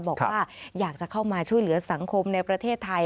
บอกว่าอยากจะเข้ามาช่วยเหลือสังคมในประเทศไทย